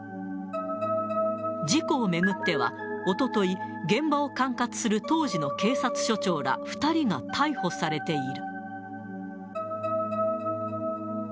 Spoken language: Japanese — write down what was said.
事故を巡っては、おととい、現場を管轄する当時の警察署長ら２人が逮捕されている。